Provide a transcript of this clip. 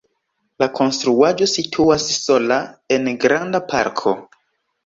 La konstruaĵo situas sola en granda parko.